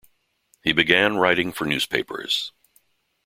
He began writing for newspapers.